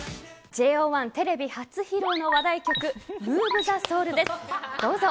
１テレビ初披露の話題曲「ＭｏｖｅＴｈｅＳｏｕｌ」です。